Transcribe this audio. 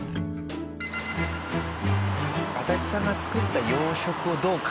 安達さんが作った洋食をどう感じるんでしょうね？